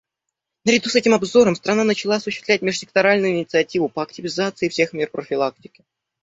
Наряду с этим обзором страна начала осуществлять межсекторальную инициативу по активизации всех мер профилактики.